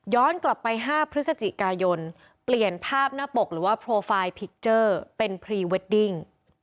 กลับไป๕พฤศจิกายนเปลี่ยนภาพหน้าปกหรือว่าโปรไฟล์พิกเจอร์เป็นพรีเวดดิ้ง